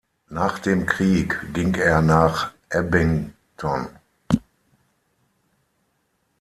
Nach dem Krieg ging er nach Abingdon.